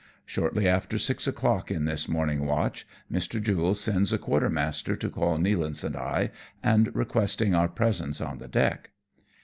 Shortly after six o'clock in this morning watch, Mr. Jule sends a quartermaster to call Nealance and I, and requesting our presence on the deck.